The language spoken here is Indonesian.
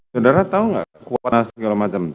saudara tahu gak kuatnya segala macam